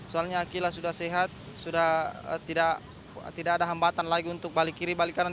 soalnya akilah sudah sehat sudah tidak ada hambatan lagi untuk balik kiri balik kanan